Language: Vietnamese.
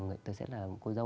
tôi sẽ là cô dâu